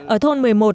ở thôn một mươi một